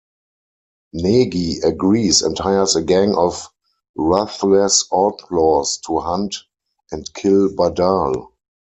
Negi agrees and hires a gang of ruthless outlaws to hunt and kill Badal.